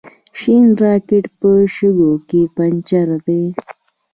شین راکېټ په شګو کې پنجر دی.